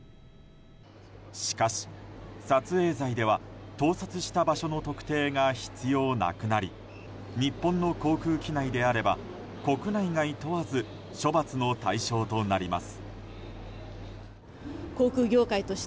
しかし、撮影罪では盗撮した場所の特定が必要なくなり日本の航空機内であれば国内外問わず処罰の対象となります。